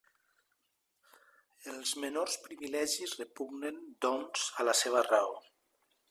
Els menors privilegis repugnen, doncs, a la seva raó.